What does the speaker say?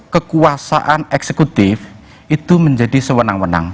kekuasaan eksekutif itu menjadi sewenang wenang